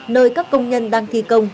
nơi các công nhân đang thi công